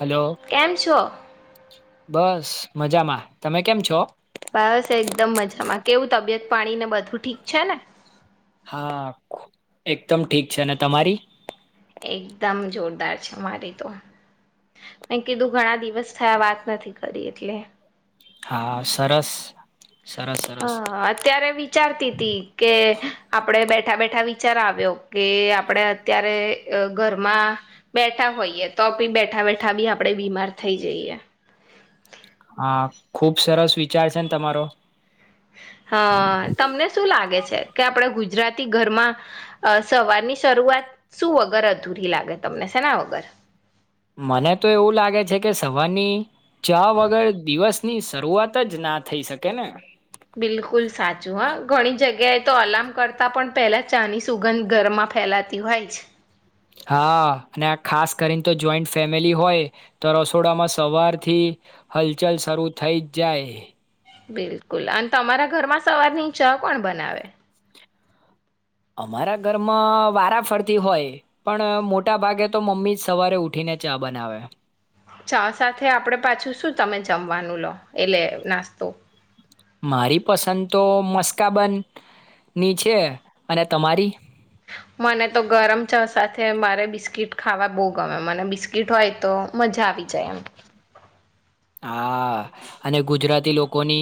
Hello કેમ છો બસ મજામાં તમે કેમ છો. બસ એકદમ મજામાં કેવું તબિયત પાણીને બધું ઠીક છે ને. હા એકદમ ઠીક છે અને તમારી. એકદમ જોરદાર છે મારી તો મેં કીધું ઘણા દિવસ થયા વાત નથી કરી એટલે. હા સરસ. સરસ હ સરસ અત્યારે વિચારતી તી કે આપડે બે. બેઠા બેઠા વિચાર આવ્યો કે આપણેે અત્યારે ઘરમાં બેઠા હોઈએ તો બી બેઠા બેઠા બી આપણેે બીમાર થઈ જઈએ. હા ખુબ સરસ વિચાર છે ને તમારો. હા તમને શું લાગે છે કે આપડે ગુજરાતી. ઘરમાં સવાર ની શરૂઆત શું વગર અધૂરી લાગે તમને છેેના વગર. મને તો એવું લાગે છે કે સવારની ચા વગર દિવસની શરૂઆત જ ના થઈ શકે ને. બિલકુલ સાચું હા ઘણી જગ્યા. ગ તો અલાર્મ કરતા પણ. પહેલાં ચાની સુગંધ ઘરમાં ફેલાતી હોય છે. હા અને આ ખાસ કરીને તો જોઈન્ટ ફેમિલી હોય તો રસોડામાં સવારથી હલચલ શરૂુ થઈ જ જાય. બિલકુલ અને તમારા ઘરમાં સવાર ની ચા કોણ બનાવે? અમારા ઘરમાં વારા ફરતી હોય, પણ મોટા ભાગે તો મમ્મી જ સવારે ઉઠીને ચા બનાવે. ચા સાથે આપડે પાછું શું તમે જમવાનું લો, એટલે નાસ્તો? મારી પસંદ તો મસ્કાબન ની છે અને તમારી? મને તો ગરમ ચા સાથે મારે બિસ્કીટ ખાવા બો ગમે મને બિસ્કીટ હોય તો મજા આવી જાય એમ. હા, અને ગુજરાતી લોકોની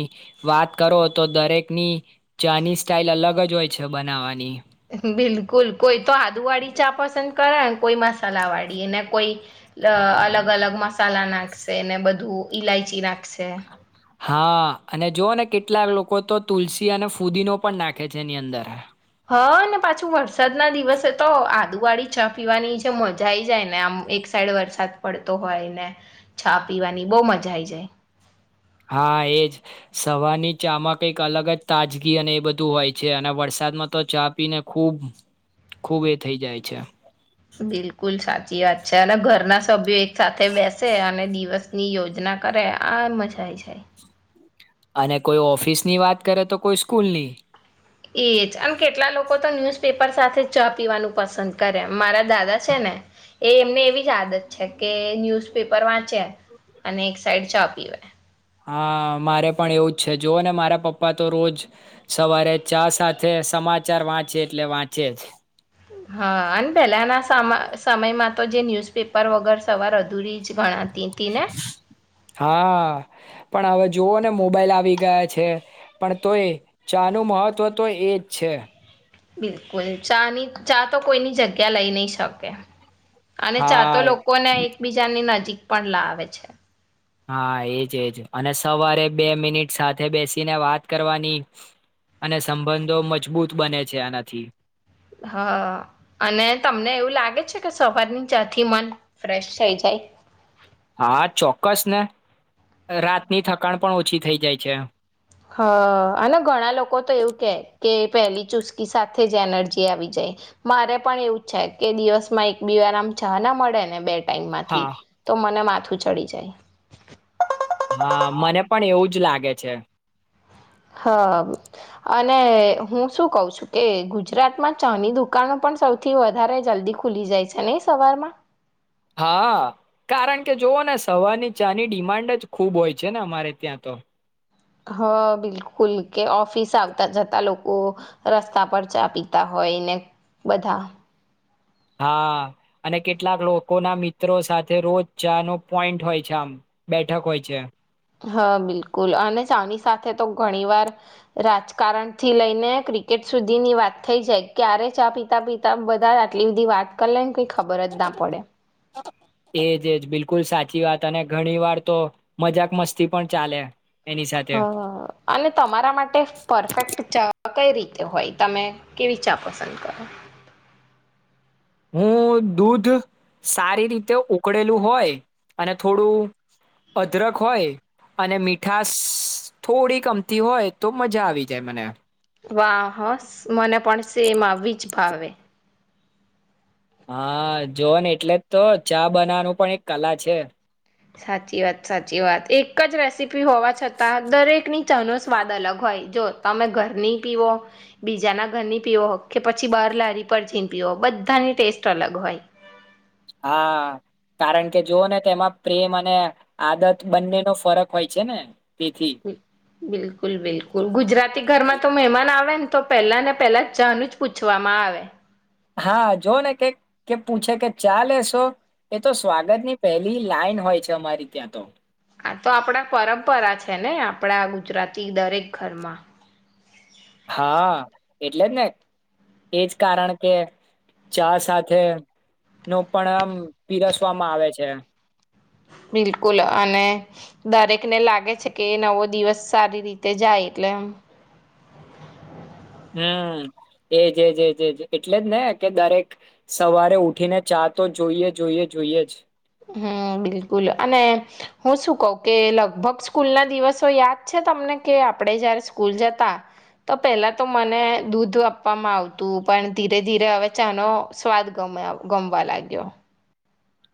વાત કરો તો દરેકની ચા ની સ્ટાઇલ અલગ જ હોય છે બનાવવાની. બિલકુલ, કોઈ તો આદુ વાળી ચા પસંદ કરેને કોઈ મસાલા વાળી, ને કોઈ લ અલગ અલગ મસાલા નાખશે ને બધું, ઈલાયચી નાખ [inaudible] હા અને જોઓ ને કેટલા લોકો તો તુલસી અને ફુદીનો પણ નાખે છે એની અંદર. હ ને પાછું વરસાદ ના દિવસે તો આદુવાળી છા પીવાની જે મજા આઈ જાય ને આમ એક સાઈડ વરસાદ પડતો હોય ને ચા પીવાની બઉ મજા આઈ જાય. હા એજ સવારની ચામાં કઈક અલગ જ તાજગી અને એ બધું હોય છે અને વરસાદમાં તો ચા પીને ખૂબ, ખૂબ એ થઇ જાય છે. બિલકુલ સા ચી વાત છે અને ઘર ના સભ્ય સાથે બેસે અને દિવસ ની યોજના કરે, આ મજા આય જાય. અને કોઈ ઓફિસ ની વાત કરે તો કોઈ સ્કૂલ ની. એજ અને કેટલા લોકો તો ન્યૂઝપેપર સાથે ચા પીવાનું પસંદ કરે, મારા દાદા છે ને, એ એમને એવી જ આદત છે કે ન્યૂઝપેપર વાંચે અને એક સાઈડ ચા પીવે. હા મારે પણ એવું જ છે, જોઓ ને મારા પપ્પા તો રોજ સવારે ચા સાથે સમાચાર વાંચે એટલે વાંચે જ. હા અને પેલાના સમ સમયમાં તો જે ન્યુઝપેપર વગર સવાર અ ધૂરી જ ગણાતી તી ને? જોવો ને મોબાઈલ આવી ગયા છે પણ તો એ ચાનું મહત્ત્વ તો એ જ છે. બિલકુલ, ચાની ચા તો કોઈની જગ્યા લઈ નહી શકે. અને ચા હા તો લોકોને એકબીજાની નજીક પણ લાવે છે. હા એજ એજ, અને સવારે બે મિનિટ સાથે બેસીને વાત કરવાની અને સંબંધો મજબૂત બને છે આનાથી. હા અને તમને એવું લાગે છે કે સવારની ચા થી મન ફ્રેશ થઈ જાય? હા ચોક્કસ ને, રાતની થકાણ પણ ઓછી થઈ જાય છે. હ અને ઘણા લોકો તો એવું કે કે પહેલી ચુસ્કી સાથે જ એનર્જી આવી જાય, મારે પણ એવું છે કે દિવસમાં એક બી વાર આમ ચાહ ના મળે ને બે ટાઈમમાંથી હા તો મને માથું ચડી જાય. હા મને પણ એવું જ લાગે છે. હ અને હું શું કઉ છું કે ગુજરાતમાં ચાની દુકાનો પણ સૌથી વધારે જલ્દી ખુલી જાય છે નહી સવારમાં? હા, કારણ કે જોઓ ને સવારની ચાની ડિમાન્ડ જ ખૂબ હોય છે ને અમારે ત્યાં તો. હ બિલકુલ, કે ઓફિસ આવતા જતા લોકો રસ્તા પર ચા પીતા હોય ને બધા હા અને કેટલાક લોકો ના મિત્રો સાથે રોજ ચા નો પોઈન્ટ હોય છે, આમ બેઠક હોય છે. હા બિલકુલ અને ચાની સાથે તો ઘણી વાર રાજકારણ થી લઈને ક્રિકેટ સુધી ની વાત થઈ જાય, ક્યારે ચા પિતા પિતા બધા આટલી બધી વાત કર લે કઈ ખબર જ ના પડે. એજ એજ બિલકુલ સાચી વાત અને ઘણી વાર તો મજાક મસ્તી પણ ચાલે. એની સાથે હ અને તમારા માટે પરફેક્ટ ચા કઈ રીતે હોય તમે કેવી ચા પસંદ કરો? હું દૂધ સારી રીતે ઉકળેલું હોય અને થોડું અદરક હોય અને મીઠાશ થોડી અમથી હોય તો મજા આવી જાય મને. વા હ મને પણ સેમ આવી જ ફાવે. હા જોન એટલે જ તો ચા બનાવાનું પણ એક કલા છે. સાચી વાત સાચી વાત એક જ રેસીપી હોવા છતાં દરેક ની ચાહનો સ્વાદ અલગ હોય. જો તમે ઘરની પીવો બીજાના ઘરની પીવો કે પછી બાર લારી પર જીન પીવો બધાની ટેસ્ટ અલગ હોય. હા કારણ કે જો ને તેમાં પ્રેમ અને આદત બંને નો ફરક હોય છે ને તેથી બિલકુલ બિલકુલ ગુજરાતી ઘરમાં તો મહેમાન આવે ને તો પહેલા ને પેલા ચા નું જ પૂછવામાં આવે. હા જો ને કે પૂછે કે ચા લેશો એ તો સ્વાગતની પહેલી લાઈન હોય છે અમારી ત્યાં તો હા તો આપણા પરંપરા છે ને આપડા ગુજરાતી દરેક ઘરમાં. હા એટલે જ ને એજ કારણ કે ચા સાથે નો પણ આમ પીરસવામાં આવે છે. બિલકુલ અને દરેકને લાગે છે કે એ નવો દિવસ સારી રીતે જાય એટલે એમ. હમ એજજ એજજ એટલે જ ને કે દરેક સવારે ઉઠીને ચા તો જોઈએ જોઈએ જોઈએ જ હમ બિલકુલ અને હું શું કહું કે લગભગ સ્કૂલ ના દિવસો યાદ છે તમને કે આપણે જયારે સ્કૂલ જતા તો પેલા તો મને દૂધ આપવામાં આવતું પણ ધીરે ધીરે હવે ચાનો સ્વાદ ગમવા લાગ્યો.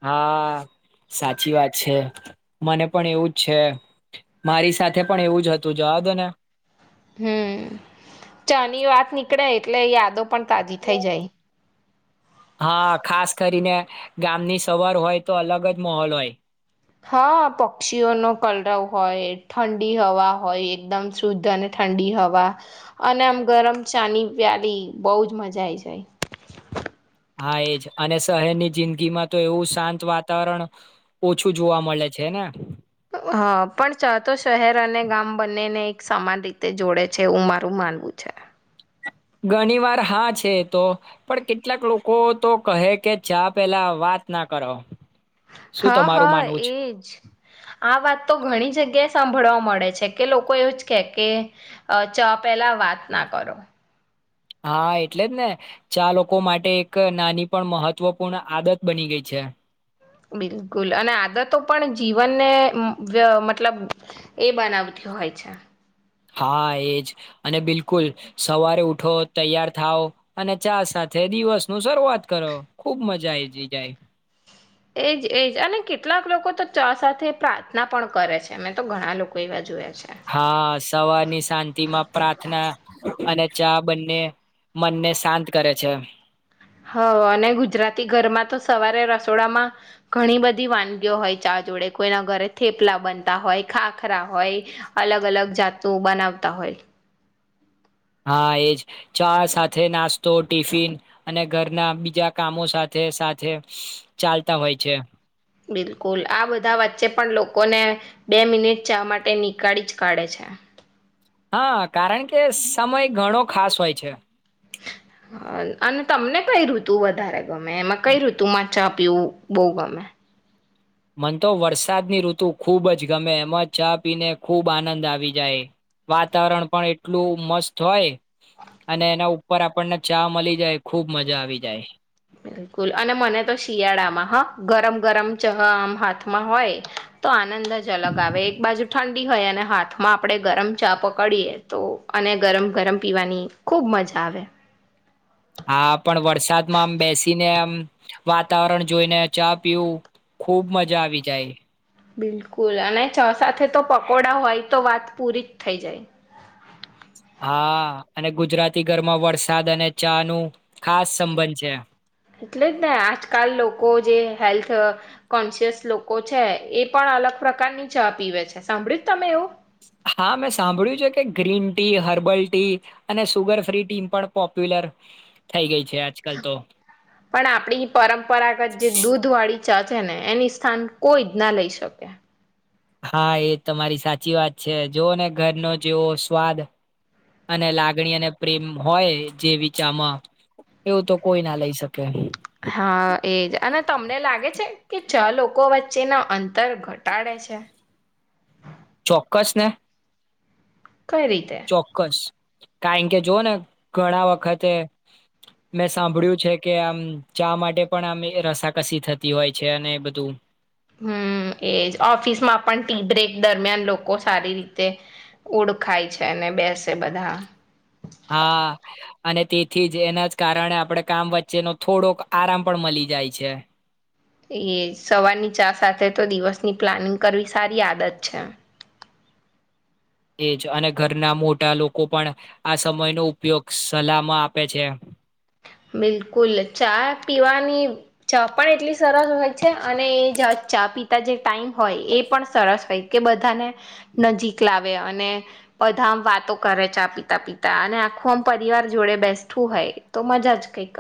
હા સાચી વાત છે મને પણ એવુંજ છે મારી સાથે પણ એવું જ હતું જવાદો ને હમ ચાની વાત ની કળે એટલે યાદો પણ તાજી થઈ જાય. હા ખાસ કરીને ગામની સવાર હોય તો અલગ જ મહોલ હોય હા પક્ષીઓનો કલરવ હોય ઠંડી હવા હોય એકદમ શુદ્ધ અને ઠંડી હવા અને આમ ગરમ ચાની પ્યાલી બહુજ મજા આઈ જાય હા એજ અને શહેરની જિંદગીમાં તો એવું શાંત વાતાવરણ ઓછું જોવા મળે છે ને હા પણ ચાતો શહેર અને ગામ બંનેને એક સમાન રીતે જોડે છે એવું મારું માનવું છે. ઘણી વાર હા છે તો પણ કેટલાક લોકો તો કહે કે ચા પેલા વાત ના કરો શું હા તમારું હા માનવું છે એજ આ વાત તો ઘણી જગ્યા સાંભળવા મળે છે કે લોકો એવું જ કે કે અ ચા પેલા વાત ના કરો હા એટલે જ ને ચા લોકો માટે એક નાની પણ મહત્વપૂર્ણ આદત બની ગઈ છે. બિલકુલ અને આદતો પણ જીવનને જ મતલબ એ બનાવતી હોય છે. હા એજ અને બિલકુલ સવારે ઉઠો તૈયાર થાવ અને ચા સાથે દિવસનું શરૂઆત કરો ખુબ મજા આવી જી જાય. એજ એજ અને કેટલાક લોકો તો ચા સાથે પ્રાર્થના પણ કરે છે મેં તો ઘણા લોકો એવા જોયા છે હા સવારની શાંતિમાં પ્રાર્થના અને ચા બંને મનને શાંત કરે છે. હ અને ગુજરાતી ઘરમાં તો સવારે રસોડામાં ઘણી બધી વાનગીઓ હોય ચા જોડે કોઈના ઘરે થેપલા બનતા હોય ખાખરા હોય અલગ અલગ જાતું બનાવતા હોય હા એજ ચા સાથે નાસ્તો ટિફિન અને ઘરના બીજા કામો સાથે સાથે ચાલતા હોય છે. બિલકુલ આ બધા વચ્ચે પણ લોકોને બે મિનિટ ચા માટે નીકાળી જ કાઢે છે. હા કારણ કે સમય ઘણો ખાસ હોય છે. આન અને તમને કઈ ઋતુ વધારે ગમે એમાં કઈ ઋતુ મા ચા પીવુ બહુ ગમે? મને તો વરસાદની ઋતુ ખુબ જ ગમે એમાં ચા પીને ખૂબ આનંદ આવી જાય વાતાવરણ પણ એટલું મસ્ત હોય અને એના ઉપ ઉપર આપણને ચા મલી જાય ખુબ મજા આવી જાય. બિલકુલ અને મને તો શિયાળામાં હા ગરમ ગરમ ચાહ આમ હાથમાં હોય તો આન નંદ જ અલગ આવે એક બાજુ ઠંડ બી હોય અને હાથમાં આપડે ગરમ ચા પકડીએ તો અને ગરમ ગરમ પીવાની ખુબ મજા આવે. હા પણ વરસાદમાં આમ બેસીને આમ વાતાવરણ જોઈને ચા પીવું ખુબ મજા આવી જાય. બિલકુલ અને ચા સાથે તો પકોડા હોય તો વાત પૂરી જ થઇ જાય. હા અને ગુજરાતી ઘરમાં વરસાદ અને ચાનું ખાસ સંબંધ છે. એટલે જ ને આજકાલ લોકો જે હેલ્થ અહ કોન્શિયસ લોકો છે એ પણ અલગ પ્રકારની ચા પીવે છે. સાંભળી જ તમે એવું? હા, મેં સાંભળ્યું છે કે ગ્રીન ટી, હર્બલ ટી અને સુગર ફ્રી ટીમ પણ પોપ્યુલર થઈ ગઈ છે આજકાલ તો પણ આપડી પરંપરાગત જે દૂધ વાળી ચા છે ને એની સ્થાન કોઈ જ ના લઈ શકે. હા, એ તમારી સાચી વાત છે. જો ને ઘરનો જેવો સ્વાદ અને લાગણી અને પ્રેમ હોય જેવી ચામાં એવું તો કોઈ ના લઈ શકે. હા, એજ અને તમને લાગે છે કે ચા લોકો વચ્ચેના અંતર ઘટાડે છે? ચોક્કસ ને. કઈ રીતે ચોક્કસ. કારણ કે જો ને ઘણા વખતે મેં સાંભળ્યું છે કે આમ ચા માટે પણ આમ રસાકસી થતી હોય છે અને એ બધું હમ્મ એજ ઓફિસમાં પણ ટી બ્રેક દરમિયાન લોકો સારી રીતે ઓળખાય છે અને બેસે બધા. હા અને તેથી જ એના જ કારણે આપણે કામ વચ્ચેનો થોડોક આરામ પણ મળી જાય છે. એજ સવારની ચા સાથે તો દિવસની પ્લાનિંગ કરવી સારી આદત છે. એજ અને ઘરના મોટા લોકો પણ આ સમયનો ઉપયોગ સલાહમાં આપે છે. બિલકુલ ચા પીવાની ચા પણ એટલી સરસ હોય છે અને એ ચા પીતા જે ટાઈમ હોય એ પણ સરસ હોય કે બધાને નજીક લાવ વે અને બધા વાતો કરે ચ આા પિતા પિતા અને આખું આમ પરિવાર જોડે બેઠું હોય તો મજા અચકઈ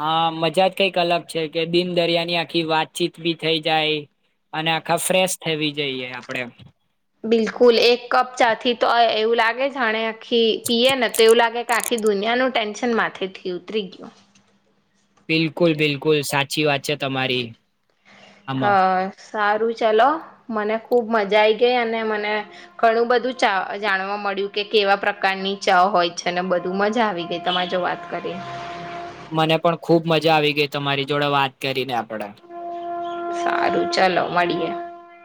હા મજા જ કઈક અલગ છે કે દિન દરિયાની આખી વાતચીત બી થઈ જાય અને આખા ફ્રેશ થવી જઈએ આપડે. બિલકુલ એક કપ ચાથી તો અહ એવું લાગે જાણે આખી પીએ ને તો એવું લાગે કે આખી દુનિયાનું ટેન્શન માથે થી ઉતરી ગયું. બિલકુલ, બિલકુલ સાચી વાત છે તમારી. આમાં હા. સારું ચલો મને ખુબ મજા આઈ ગઈ અને મને ઘણું બધું ચા અહ જાણવા મળ્યું કે કેવા પ્રકારની ચા હોય છે ને બધું મજા આવી ગઈ તમામે જો વાત કરી. મને પણ ખુબ મજા આવી ગઈ તમારી જોડે વાત કરીને આપણેે. સારું ચાલો મળીએે.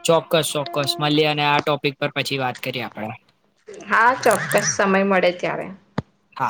ચોક્કસ, ચોક્કસ મલિયે અને આ ટોપિક પર પછી વાત કરીએ આપણે. હા, ચોક્કસ સમય મળે ત્યારે. હા